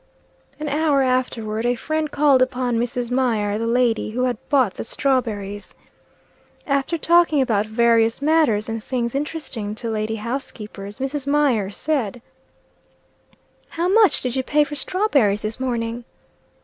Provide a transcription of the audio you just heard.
_" An hour afterward, a friend called upon Mrs. Mier, the lady who had bought the strawberries. After talking about various matters and things interesting to lady housekeepers, Mrs. Mier said: "How much did you pay for strawberries this morning?"